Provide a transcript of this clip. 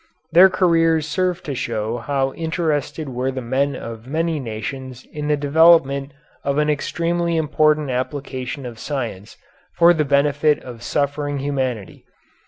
Their careers serve to show how interested were the men of many nations in the development of an extremely important application of science for the benefit of suffering humanity.